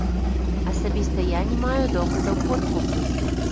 Асабіста я не маю доказаў подкупу.